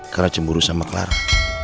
karena cemburu sama clara